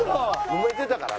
もめてたからな。